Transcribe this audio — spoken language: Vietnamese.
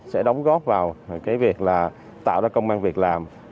sẽ đóng góp vào việc tạo ra công an việc làm